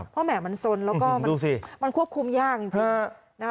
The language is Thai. เพราะแหม่มันสนแล้วก็มันควบคุมยากจริง